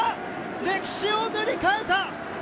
歴史を塗り替えた！